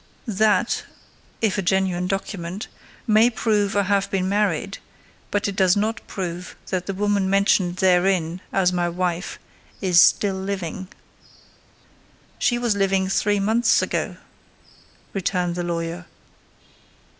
'" "That—if a genuine document—may prove I have been married, but it does not prove that the woman mentioned therein as my wife is still living." "She was living three months ago," returned the lawyer.